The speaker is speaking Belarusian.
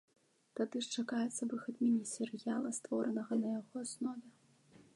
Тады ж чакаецца выхад міні-серыяла, створанага на яго аснове.